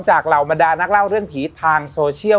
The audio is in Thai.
เหล่าบรรดานักเล่าเรื่องผีทางโซเชียล